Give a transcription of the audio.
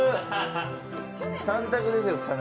３択ですよ、草薙。